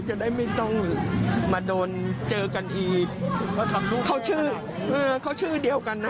จะได้ไม่ต้องมาโดนเจอกันอีกเขาชื่อเออเขาชื่อเดียวกันนะ